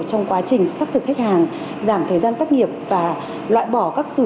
trong quá trình xác thực khách hàng giảm thời gian tắt nghiệp và loại bỏ các giao dịch